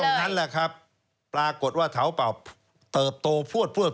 นั่นแหละครับปรากฏว่าเถาเป่าเติบโตพวดพวด